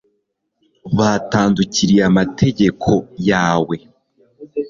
batandukiriye amategeko yawe